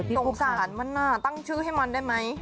สงสารมันตั้งชื่อให้มันได้ไหม